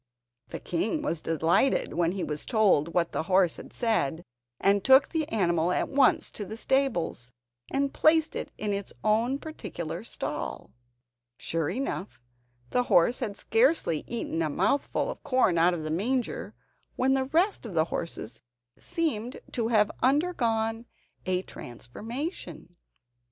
The king was delighted when he was told what the horse had said, and took the animal at once to the stables, and placed it in his own particular stall. Sure enough, the horse had scarcely eaten a mouthful of corn out of the manger, when the rest of the horses seemed to have undergone a transformation.